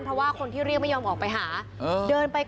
เพราะว่าคนที่เรียกไม่ยอมออกไปหาเดินไป